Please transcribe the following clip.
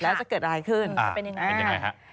แล้วจะเกิดอะไรขึ้นจะเป็นอย่างไร